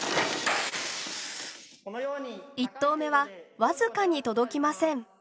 １投目は僅かに届きません。